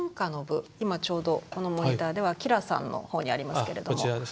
今ちょうどこのモニターでは吉良さんの方にありますけれども。